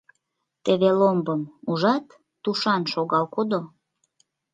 Теве ломбым ужат, тушан шогал кодо.